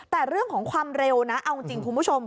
แต่เรื่องของความเร็วนะเอาจริงคุณผู้ชม